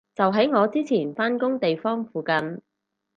就喺我之前返工地方附近